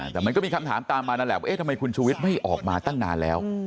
แต่มันก็มีคำถามตามมานั่นแหละว่าเอ๊ะทำไมคุณชูวิทย์ไม่ออกมาตั้งนานแล้ว